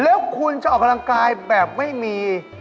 แล้วคุณจะออกกำลังกายแบบไม่มี